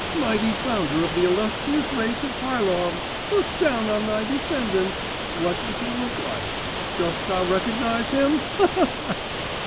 'Mighty founder of the illustrious race of Harlovs, look down on thy descendant! What does he look like? Dost thou recognise him? Ha, ha, ha!